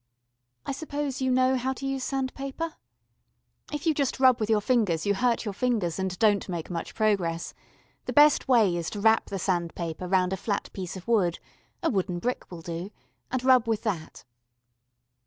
I suppose you know how to use sand paper? If you just rub with your fingers you hurt your fingers and don't make much progress; the best way is to wrap the sand paper round a flat piece of wood a wooden brick will do and rub with that.